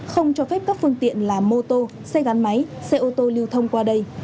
không cho phép các phương tiện là mô tô xe gắn máy xe ô tô lưu thông qua đây